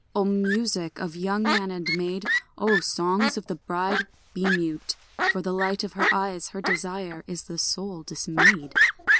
O music of young man and maid, O songs of the bride, be mute. For the light of her eyes, her desire, Is the soul dismayed.